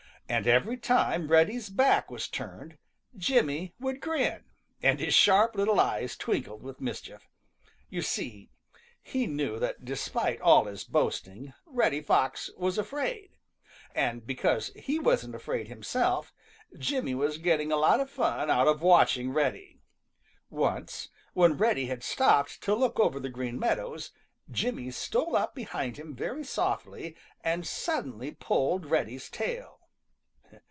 And every time Reddy's back was turned, Jimmy would grin, and his sharp little eyes twinkled with mischief. You see, he knew that despite all his boasting Reddy Fox afraid, and because he wasn't afraid himself, Jimmy was getting a lot of fun out of watching Reddy. Once, when Reddy had stopped to look over the Green Meadows, Jimmy stole up behind him very softly and suddenly pulled Reddy's tail.